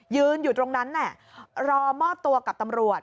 ยืนอยู่ตรงนั้นรอมอบตัวกับตำรวจ